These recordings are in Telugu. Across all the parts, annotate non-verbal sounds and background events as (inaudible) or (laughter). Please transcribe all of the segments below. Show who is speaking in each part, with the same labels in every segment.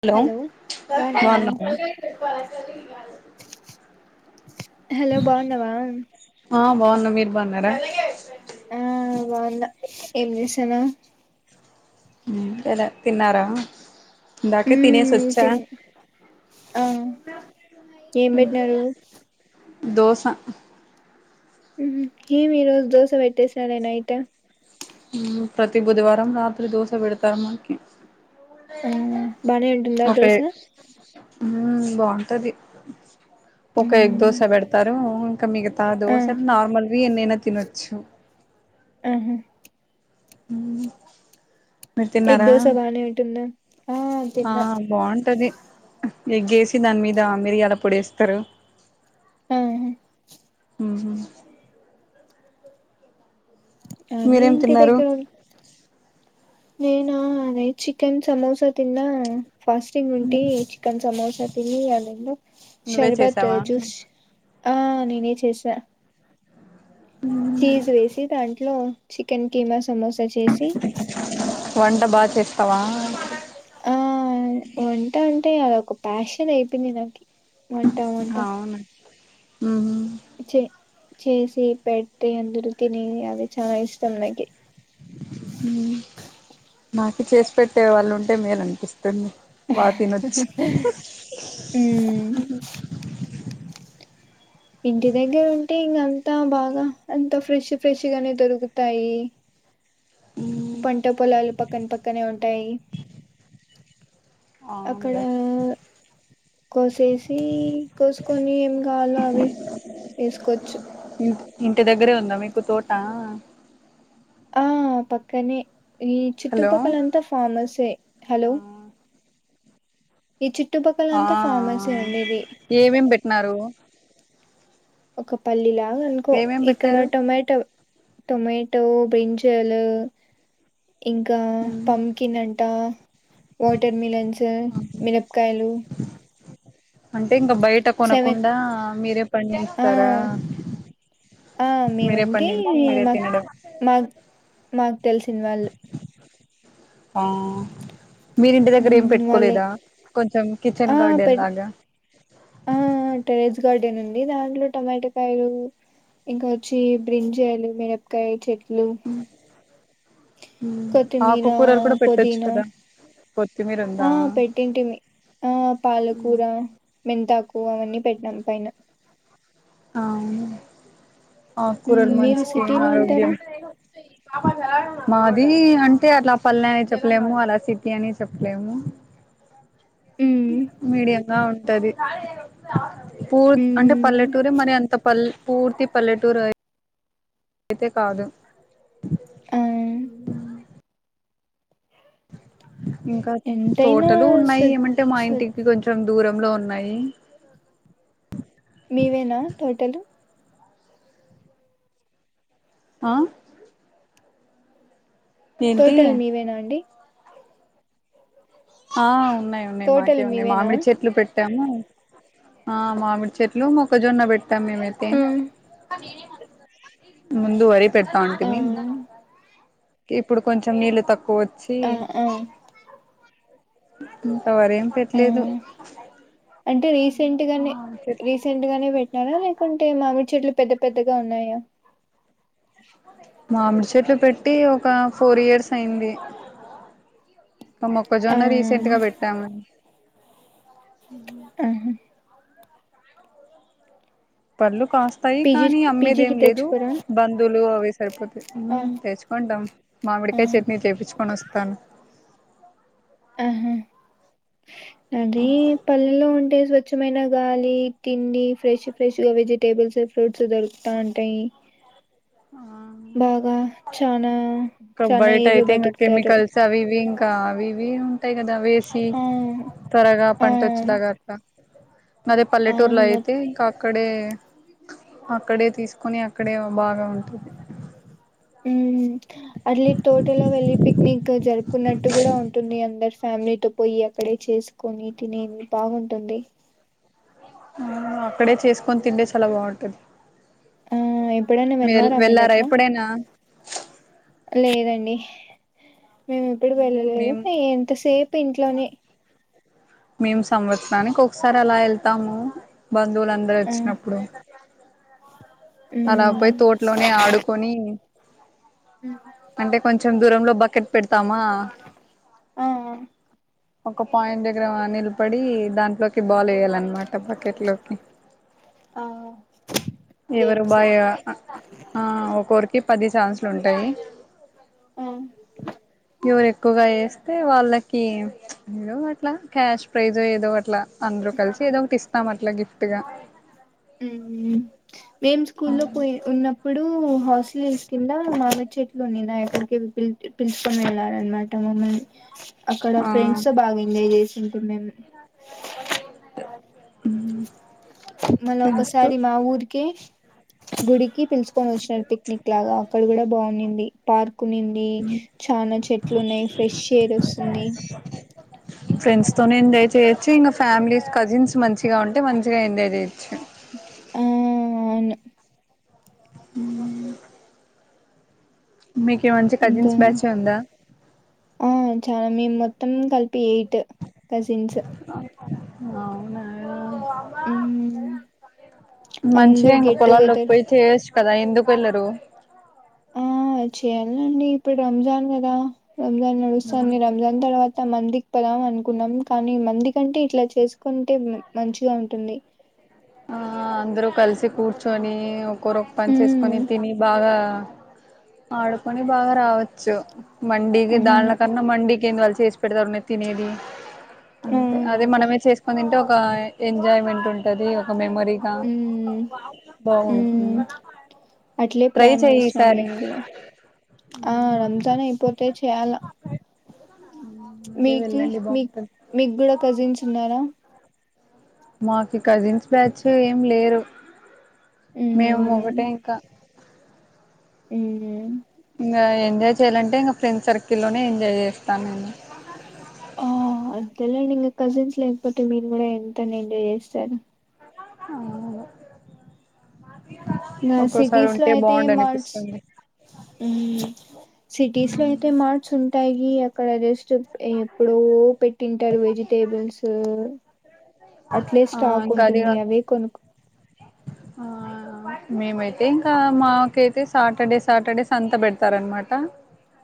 Speaker 1: హలో
Speaker 2: బాగున్నావా
Speaker 1: (unintelligible)
Speaker 2: హలో బాగున్నావా
Speaker 1: ఆ బాగున్నా మీరు బాగున్నారా
Speaker 2: ఆ బాగున్న ఏం చేస్తున్నావు
Speaker 1: ఏం చేయలే తిన్నారా ఇందాకే తినేసి
Speaker 2: హ్మ్మ్
Speaker 1: వచ్చా
Speaker 2: తిన్న ఆ ఏం పెట్టినారు
Speaker 1: దోస
Speaker 2: ఉహు ఏమి ఈ రోజు దోశ పెట్టేసరే నైట్
Speaker 1: ప్రతి బుధవారం రాత్రి దోశ పెడతారు మాకి
Speaker 2: ఆ బానే ఉంటుంద దోస
Speaker 1: ఉ బాగుంటది ఒక ఎగ్
Speaker 2: మ్మ్
Speaker 1: దోశ పెడతారు మిగతా
Speaker 2: ఆ
Speaker 1: దోశలు నార్మల్ ఎందయిన తినొచ్చు
Speaker 2: ఆహా
Speaker 1: ఉహు
Speaker 2: ఎగ్ దోస బానే ఉంటుంద ఆ
Speaker 1: ఆ
Speaker 2: తిన్న
Speaker 1: బాగుంటది ఎగ్గేసి దాని మీద మిరియాల పొడేస్తారు
Speaker 2: ఆహ
Speaker 1: ఆహా మీరేం
Speaker 2: అదేంటి
Speaker 1: తిన్నారు
Speaker 2: ఎగ్ నేనా అదే చికెన్ సమోసా తిన్నా ఫాస్టింగ్ ఉంటి చికెన్ సమోసా తినలేదనే ఇప్పుడు
Speaker 1: నువ్వే చేసావా
Speaker 2: శర్బత్జుస్ ఆ నేనే చేసా చీస్ వేసి దాంట్లో చికెన్ కిీమా సమోసా చేసి
Speaker 1: వంట బాగా చేస్తావా
Speaker 2: టే అదోక పాషన్ అయిపోయింద్ నాకి వంటా వంటా
Speaker 1: ఉహ్ హు
Speaker 2: చెే చేసి పెట్టి అందరూ తినే అది చాలా ఇష్టం. నాకి
Speaker 1: హ్మ్ మాకీ చేసి పెట్టే వాళ్ళు ఉంటే. మెల్ అనిపిస్తాద్
Speaker 2: హ్మ్ ఈ పంట పోలాలు పక్ పక్కన పక్కనే ఉంటాయి. అక్కడ
Speaker 1: అవునులే
Speaker 2: కోసేసి కోసుకొని ఏం కావాలో అవి ఏసుకోచ్చు.
Speaker 1: ఇ ఇంటి దగ్గరే ఉందా మీకు తోట
Speaker 2: ఆ పక్కనే ఈ
Speaker 1: హలో
Speaker 2: చూట్టుపక్కల అంతా ఫార్మస్. సే హలో ఈ
Speaker 1: ఆ
Speaker 2: చుట్టుపక్కలంతా ఫార్మసే ఉండేది.
Speaker 1: ట్న్నారు
Speaker 2: ఒక పల్లీలాగ్ గానుకో
Speaker 1: ఏమేం
Speaker 2: ఇక్కడ
Speaker 1: పెట్టారు
Speaker 2: టొమాటో టొమట్ టో, బ్రింజలు ఇంకా పంకిన్ అంట వాటర్ మిలన్స్ ఉహ్ మీనపకాయలు
Speaker 1: ఉ అంతే ఇంగా బయట
Speaker 2: సెవెన్
Speaker 1: కొనకుండా మీరే
Speaker 2: ఆ
Speaker 1: పండిస్తారా.
Speaker 2: ఆ
Speaker 1: మీరే
Speaker 2: మేమంటే
Speaker 1: పండించి మీరే తినడం.
Speaker 2: తెలిసిన్ వాళ్ళు
Speaker 1: ఆహ్ మీరింటి దగ్గర ఏం
Speaker 2: హ్మ్. వాళ్ళే
Speaker 1: పెట్టుకోలేదా. కొంచెం
Speaker 2: ఆ
Speaker 1: కిచెన్
Speaker 2: పె
Speaker 1: గార్డెన్ లాగా
Speaker 2: ఆ టెరెస్ గార్డెన్ ఉంది. దాంట్లో టొమాటాకాయలు ఇంకా వచ్చి బ్రింజలు, మిరపకాయ చెట్ లు కొత్తిమీర,
Speaker 1: ఆకుకూరలు కూడా పెట్టొచ్చు
Speaker 2: పుదీనా
Speaker 1: కదా కొత్తిమీర
Speaker 2: ఆ
Speaker 1: ఉందా
Speaker 2: పెట్టింటిమీ ఆ పాలకూర, మెంతాకు అవన్నీ పెట్టినాం. పైన
Speaker 1: అవును
Speaker 2: మ్మ్
Speaker 1: ఆకురల్
Speaker 2: మీరు
Speaker 1: మంచికి
Speaker 2: సిటీలో ఉంటారా
Speaker 1: ఆరోగ్యం మాది అంటే. అలా పల్లె అని చెప్పలేము అలా సిటీ అని చెప్పలేము
Speaker 2: మ్మ్
Speaker 1: మీడియా ఆ ఉంటది పూ అంటే పల్లె
Speaker 2: మ్మ్
Speaker 1: తూరి మరి అంత పల్ పూర్తి పల్లెటూరయ్ అయితే కాదు
Speaker 2: ఆ
Speaker 1: ఉ ఇంకా
Speaker 2: ఎంతైనా
Speaker 1: తోటలు ఉన్నాయి
Speaker 2: స్వ
Speaker 1: ఏమంటే మా
Speaker 2: స్వ
Speaker 1: ఇంటికి కొంచెం దూరంలో ఉన్నాయి
Speaker 2: మీవేనా తోటలు
Speaker 1: ఆ ఏంటి
Speaker 2: తోటల్ మివేన అండి
Speaker 1: ఆ ఉన్నాయి ఉన్నాయి
Speaker 2: టోటల్
Speaker 1: మాకే ఉన్నాయి
Speaker 2: మీవేనా
Speaker 1: మామిడి చెట్లు పెట్ టాను ఆ మామిడి చెట్లు మొక్కజొన్న పె తమేమతే
Speaker 2: ఆ
Speaker 1: ముందు వరి పెడతా
Speaker 2: ఆ
Speaker 1: ఉంటిమి ఇప్పుడు కొంచెం నీళ్ళు తక్కువ చి
Speaker 2: ఆ ఆ
Speaker 1: అ
Speaker 2: ఆ అంటే రీసెంట్‌గానే రీసెంట్ గానే పెట్టినారా లే కుంటే మామిడి చెట్లు పెద్ద పెద్దగా ఉన్నాయా
Speaker 1: మామిడి చెట్లు పెట్టి ఒక ఫోర్ ఇయర్స్ అయింది అ
Speaker 2: ఆ
Speaker 1: మొక్కజొన్న రీసెంట్‌గా పెట్టాము ఇంగా
Speaker 2: ఆహా
Speaker 1: పల్లుు కాస్తాయి కానీ
Speaker 2: పీజీకి
Speaker 1: అమ్మేది ఏం
Speaker 2: పీజీకి
Speaker 1: లేదు
Speaker 2: తెచ్చుకోరా
Speaker 1: బంధులు అవి సరిపోతే ఉమ్
Speaker 2: ఆ
Speaker 1: తెచ్చుకుంటాం.
Speaker 2: ఆ
Speaker 1: మామిడికాయ చట్నీ చేపిచ్చుకొని వస్తాం. ప్పను
Speaker 2: ఆహా అది పల్లెలో ఉంటేసి వ్ స్వచ్ఛమైన గాలి తిండి ఫ్రెష్ ఫ్రెష్ గా వెజిటేబుల్స్ ఫ్రూట్స్ దొరుకుతా ఉంటాయి
Speaker 1: ఆ
Speaker 2: బాగ్
Speaker 1: ఇంకా బయట్
Speaker 2: ఏళ్ళు
Speaker 1: అయితే ఇంగ
Speaker 2: బతుకుతారు
Speaker 1: కెమికల్స్ అవి ఇవింగ్ ఇంకా అవి ఇవి ఉంటాయి కదా వేసి
Speaker 2: ఆ
Speaker 1: త్వరగా
Speaker 2: ఆ
Speaker 1: పంట వచ్చేలాగా అట్లా అదే పల్లెటూర్ లో
Speaker 2: అవును మొ
Speaker 1: అయితే ఇంకా అక్కడే అక్కడే తీసుకొని అక్కడే బాగా ఉంటుంది.
Speaker 2: ఉ అర్లీ తోటలో వెళ్ళి పిక్నిక్ తోజర్ కున్నట్టు కూడా ఉంటుంది అందరు ఫ్యామిలీతో పోయి అక్కడే చేసుకొని తినేది బాగుంటుంది.
Speaker 1: ఆ అక్కడే చేసుకొని తిండే చాలా బాగుంటది.
Speaker 2: ఆ ఎప్పుడైనా
Speaker 1: వెల్
Speaker 2: వెళ్ళారా మీరు అట్లా
Speaker 1: ఎప్పుడైనా
Speaker 2: లేదండి. (inaudible) మేము ఎప్పుడు వెళ్ళలేదు.
Speaker 1: మేము
Speaker 2: హే ఎంతసేపు ఇంట్లో ఇంట్లో నే
Speaker 1: మేము సంవత్సరానికి ఒకసారి అలా వెళ్తాము. బంధువులు అందరూ
Speaker 2: ఆ
Speaker 1: వచ్చినప్పుడు అలా
Speaker 2: ఉమ్
Speaker 1: పోయి తోటలోనే ఆడుకొని అంటే కొంచ్ చన దూరంలో బకెట్ పెట్ తమ
Speaker 2: ఆ
Speaker 1: ఒక పాయింట్ దగ్గర నిలబడి దాంట్లోకి బాల్ వేయాలన్నమాట బకెట్ లోకి
Speaker 2: ఆ
Speaker 1: ఎవరు
Speaker 2: గేమ్స్
Speaker 1: బాయ ఆ ఒక్కోరికి పది సాన్సులు ఉంటాయ్. ఏ
Speaker 2: ఆ
Speaker 1: ఎవరు ఎక్కువగా వేస్తే వాళ్ళకి ఏదో, అట్లా క్యాష్ ప్రైజ్ ఏదో అట్లా అందరు కలిసి, ఏదో ఒకటి ఇస్తాం. అట్లా గిఫ్ట్గా
Speaker 2: ఊమ్ మేము స్కూల్లో పోయి ఉన్నప్పుడు హాస్ స్ కింద మామిడి చెట్లు ఉన్నినాయట. ఎక్కడిక పిలుసుకొని వెళ్ళారనమాట మమ్మల్ని. అక్కడ
Speaker 1: ఆ
Speaker 2: ఫ్రెండ్స్ తో బాగా ఎంజాయ్ చేసింటి మేము
Speaker 1: ఉహు
Speaker 2: మళ్ళ ఒకసారి మా ఊరికి గుడికి పిలుసుకొని వచ్చినారు. పిక్నిక్ లాగా అక్కడ కూడా బాగున్నింది. పార్క్ కునింది చానా చెట్లు ఉన్నాయి. ఫ్రెష్ ఎయిర్ వస్తుంది.
Speaker 1: ఫ్రెండ్స్ తోనే ఎంజాయ్ చేయొచ్చు ఇంగ ఫ్యామిలీస్ కజిన్స్ మంచిగా ఉంటే మంచిగా ఎంజాయ్ చేయొచ్చు
Speaker 2: ఆ అవును
Speaker 1: ఊ మీకే మంచి
Speaker 2: ఇంకా
Speaker 1: కజిన్స్ బ్యాచ్ ఉందా
Speaker 2: ఆ చాలా మేం మొత్తం కలిపి ఎయిట్ కజిన్స్
Speaker 1: అవునా
Speaker 2: మ్మ్.
Speaker 1: మంచిగా
Speaker 2: అందరు
Speaker 1: ఇంకా
Speaker 2: గెట్
Speaker 1: పొలాల్లో
Speaker 2: టుగెదర్
Speaker 1: పోయి చేయొచ్చు కదా ఎందుకు వెళ్ళరు
Speaker 2: ఆ చేయాలండి ఇప్పుడు రంజాన్ గదా రంజాన్ నడుస్తుంది రంజాన్ తర్వాత మందిక్ తప్పదాం అనుకున్నాం కానీ మంది కంటే ఇట్లా చేసుకుంటే మంచిగా ఉంటుంది
Speaker 1: ఆ అందరుూ కలిసి కూర్చొనీ.. ఒకరోకు పని చేసుకొని
Speaker 2: మ్మ్.
Speaker 1: తిని బాగా ఆడుకొని బాగా రావచ్చు మండీది దాల
Speaker 2: అవును
Speaker 1: కన్న మండిీ కే దల్ చేసి పెడదావనే తినేది అంతే అది
Speaker 2: అవునండి.
Speaker 1: మనమే చేసుకుని దింటే ఒక ఎంజాయ్మెంట్ ఉంటది మెమరీగా
Speaker 2: మ్మ్.
Speaker 1: బాగుంది
Speaker 2: మ్మ్. అట్లే
Speaker 1: ట్రై
Speaker 2: ప్లాన్
Speaker 1: చెయి
Speaker 2: వేసినాం
Speaker 1: ఈసారి
Speaker 2: మేము కూడా ఆ రంజాన్ అయిపోతే చేయాల
Speaker 1: అదే
Speaker 2: మీకి
Speaker 1: వెళ్ళండి
Speaker 2: మీ
Speaker 1: బాగుంటది
Speaker 2: మీకు గూడ కజిన్స్ ఉన్నారా
Speaker 1: మాకు కజిన్స్ బ్యాచ్ ఏం లేరు మేము
Speaker 2: మ్మ్.
Speaker 1: మువ్వట ఇంకా
Speaker 2: ఉ
Speaker 1: ఇంగ ఎంజాయ్ చేయాలంటే ఇంకా ఫ్రెండ్ సర్కిల్ లోనే ఎంజాయ్ చేస్తా నేను
Speaker 2: ఆ అంతేలేండి ఇంగ కజిన్స్ లేకపోతే మీరు కూడా ఎంతనా ఎంజాయ్ జేస్తారు
Speaker 1: (unintelligible) ఒక్కోసారి
Speaker 2: సిటీస్ లో
Speaker 1: ఉంటే
Speaker 2: అయితే
Speaker 1: బాగుండు
Speaker 2: మార్ట్స్
Speaker 1: అనిపిస్తుంది
Speaker 2: సిటీస్ లో అయితే మార్ట్స్ ఉంటాయి అక్కడ అది ఎస్ట్ ఎప్పుడు పెట్టింటారు వెజిటేబుల్స్ అట్లే
Speaker 1: ఆ
Speaker 2: స్టాక్
Speaker 1: ఇంకా అది
Speaker 2: ఉంటుంది
Speaker 1: కాక
Speaker 2: అవే కొనుకు
Speaker 1: ఆ మేమైతే ఇంకా మాకైతే సాటర్డే సాటర్డేస్ అంతా బెడతారన్ మాట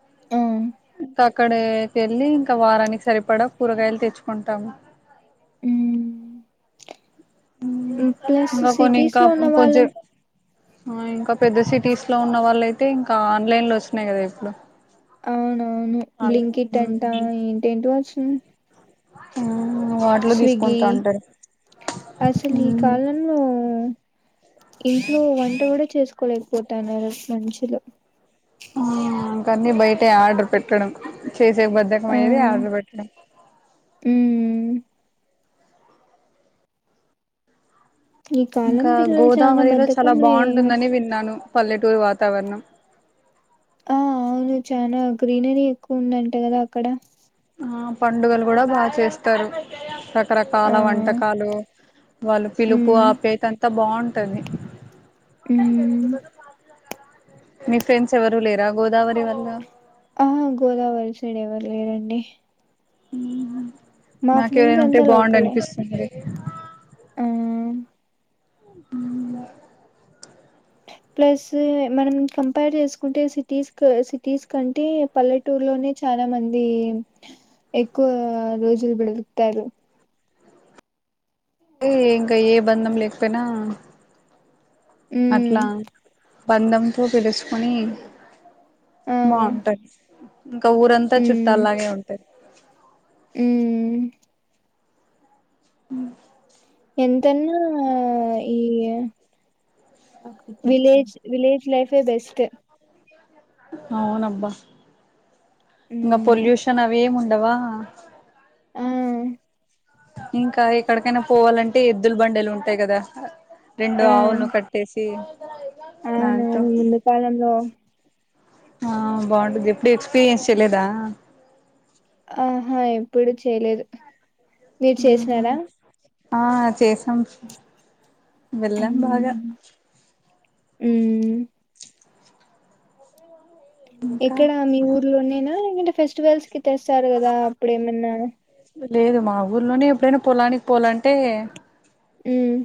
Speaker 2: (unintelligible)
Speaker 1: అక్కడకి వెళ్ళి ఇంకా వారానికి సరిపడా కూరగాయలు తెచ్చుకుంటాము
Speaker 2: ఊ
Speaker 1: ఇంకా కొన్ని ఇంకా
Speaker 2: ఉన్న వాళ్ళు
Speaker 1: కొంచెం ఆ ఇంకా పెద్ద సిటీస్ లో ఉన్న వాళ్ళ అయితే ఇంకా ఆన్లైన్ లో వచ్చినాయి గదా ఇప్పుడు
Speaker 2: అవునవును
Speaker 1: ఆ
Speaker 2: బ్లింక్ ఇట్ అంటా ఏంటేంటి వచ్చు
Speaker 1: హ్మ్
Speaker 2: స్విగి అసలు ఈ కాలంలో ఇంట్లో వంట కూడా చేసుకోలేకపోతున్నారు అస్ మషులు
Speaker 1: ఆ ఇంకన్నీ బయట ఆర్డర్ పెట్టడం చేసే బధ్ధకం అయ్యేది
Speaker 2: ఆ
Speaker 1: ఆర్డర్ పెట్టడం
Speaker 2: అ ఈ కాలం
Speaker 1: ఇంకా
Speaker 2: పిల్లలు చానా
Speaker 1: గోదావరిలో చాలా
Speaker 2: బద్ధకంలే
Speaker 1: బాగుంటుందని విన్నాను పల్లెటూరి వాతావరణం
Speaker 2: ఆ అవును చనా గ్రీనరీ ఎక్కువ ఉందంటే కదా అక్కడ
Speaker 1: ఆ పండుగలు కూడా బాగా చేస్తారు
Speaker 2: ఆ
Speaker 1: రకరకాల వంటకాలు వాళ్ళు పిలుపు
Speaker 2: హ్మ్
Speaker 1: ఆప్యాయత అంతా బాగుంటుంది మ
Speaker 2: హ్మ్
Speaker 1: టా నీ ఫ్రెండ్స్ ఎవరు లేరా గోదావరి వల్ల
Speaker 2: ఆ గోదావరి సైడ్ ఎవరు లేరండి మా
Speaker 1: నాకు
Speaker 2: ఫ్రెండ్స్
Speaker 1: ఎవరైనా ఉంటే
Speaker 2: అంతా
Speaker 1: బాగుండు
Speaker 2: లోకలే
Speaker 1: అనిపిస్తుంది ఏ
Speaker 2: ఆ
Speaker 1: హ్మ్
Speaker 2: ప్లస్ మనం కంపేర్ చేసుకుంటే సిటీస్ సిటీస్ కంటే పల్లెటూరులోనే చాలా మంది ఎక్కువ రోజులు పెడుకుతారు
Speaker 1: అే ఇంకా ఏ బంధం లేకపోయినా
Speaker 2: హ్మ్
Speaker 1: అట్లా బంధంతో తెలుసుకుని
Speaker 2: ఆ
Speaker 1: బాగుంటాయ్ ఇంకా ఊరంతా చుట్టాలాగే ఉంటది అ
Speaker 2: ఉమ్
Speaker 1: ఉమ్
Speaker 2: ఎంతన్నా ఈ విలేజ్ విలేజ్ లైఫే బెస్ట్ త్త
Speaker 1: అవునబ్బా ఇంక
Speaker 2: మ్మ్.
Speaker 1: పొల్యూషన్ అవే ముంట అంటవా
Speaker 2: ఆ
Speaker 1: ఇంకా ఎక్కడికైనా పోవాలంటే ఎద్దులు బండిలు ఉంటాయి కదా రెండు ఆవులను కట్టేసి
Speaker 2: అవును
Speaker 1: దాంతో
Speaker 2: ముందు కాలంలో
Speaker 1: ఆ బాగుంటది ఎప్పుడ ఎక్స్పీరియన్స్ చేయలేదా
Speaker 2: ఆహా ఎప్పుడు చెలేదు మీరు
Speaker 1: ఉహు
Speaker 2: చేసినారా
Speaker 1: ఆ చేసాం వెళ్ళాం బాగా
Speaker 2: ఉ
Speaker 1: ఇంకా
Speaker 2: ఎక్కడా మీ ఊర్లోనేనా మీరు ఫెస్టివల్స్ కి తెస్తారు కదా అప్పుడు ఏమన్నా
Speaker 1: లేదు మా ఊర్లోనే ఎప్పుడైనా పొలానికి పోలాంటే తే
Speaker 2: ఉమ్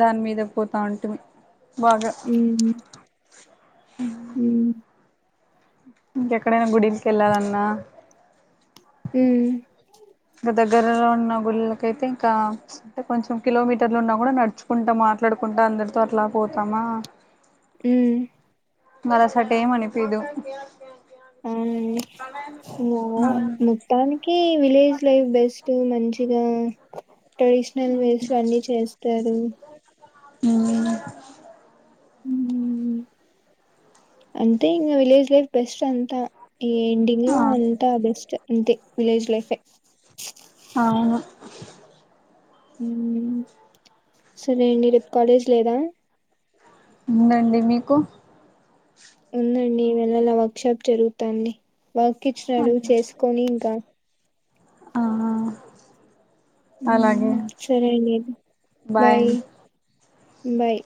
Speaker 1: దాని మీద పోతా ఉంటాం
Speaker 2: ఉమ్ ఉ
Speaker 1: ఇంకెక్కడైనా గుడిక వెళ్ళాలన్నా
Speaker 2: ఉ
Speaker 1: ఇంక దగ్గరలో ఉన్న గుళ్ళకైతే ఇంకాే కొంచెం కిలోమీటర్లు ఉన్నా కూడా నడుచుకుంటా మాట్లాడుకుంటా అందరితో అట్లా పోతామా
Speaker 2: ఉ
Speaker 1: అలసట ఏం అనిపిదు
Speaker 2: అవును మొత్తానికి విలేజ్ లైఫ్ బెస్ట్ అ (unintelligible) మంచిగా ట్రెడిషనల్ వేస్ లో అన్ని చేస్తారు
Speaker 1: అ
Speaker 2: అంటే ఇకా విలేజ్ లైఫ్ బెస్ట్ అంతా ఈ ఎండింగ్ లో
Speaker 1: ఆ
Speaker 2: అంతా బెస్ట్ అంతే విలేజ్ లైఫ్ ఎ
Speaker 1: అవును
Speaker 2: ఉ సరేండి రేప్ కాలేజ్ లేదా
Speaker 1: ఉందండి మీకు
Speaker 2: ఉందండి వెెల్లలా వర్క్ షాప్ జరుగుతాది వర్క్ ఇచ్చినాడు చేసుకొని ఇంకా
Speaker 1: ఆ అలాగే
Speaker 2: ఉ సరే అండి బాయ్ ఉ బాయ్